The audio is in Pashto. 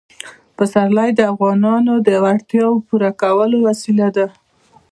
پسرلی د افغانانو د اړتیاوو د پوره کولو وسیله ده.